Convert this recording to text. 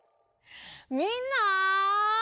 みんな！